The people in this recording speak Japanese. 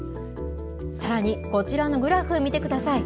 さらに、こちらのグラフ見てください。